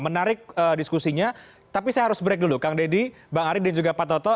menarik diskusinya tapi saya harus break dulu kang deddy bang ari dan juga pak toto